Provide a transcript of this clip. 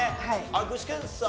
具志堅さん